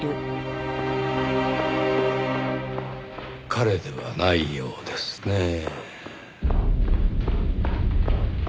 彼ではないようですねぇ。